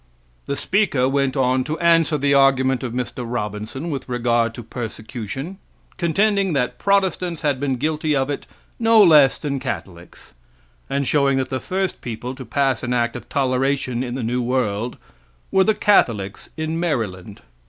The speaker went on to answer the argument of Mr. Robinson with regard to persecution, contending that protestants had been guilty of it no less than catholics; and showing that the first people to pass an act of toleration in the new world were the catholics in Maryland.